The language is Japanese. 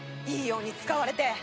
いいように使われて。